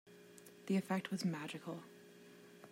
The effect was magical.